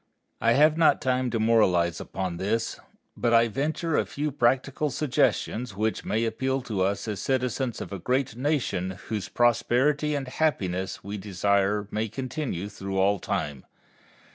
I have not time to moralize upon this, but I venture a few practical suggestions which may appeal to us as citizens of a great nation whose prosperity and happiness we desire may continue through all time.